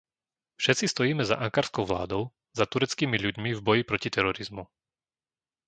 Všetci stojíme za ankarskou vládou, za tureckými ľuďmi v boji proti terorizmu.